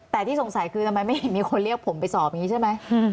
แต่ที่สงสัยคือทำไมไม่เห็นมีคนเรียกผมไปสอบอย่างนี้ใช่ไหม